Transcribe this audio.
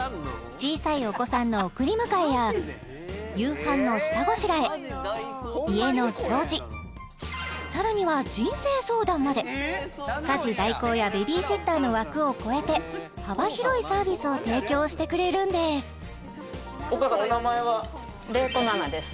小さいお子さんの送り迎えや夕飯の下ごしらえ家の掃除さらには人生相談まで家事代行やベビーシッターの枠を越えて幅広いサービスを提供してくれるんですえ！？